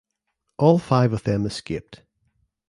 All five of them escaped.